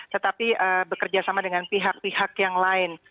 tetapi bekerja sama dengan pihak pihak yang lain